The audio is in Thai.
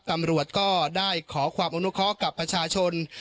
ตำรวจก็ได้ขอความอนุเคาะกับประชาชน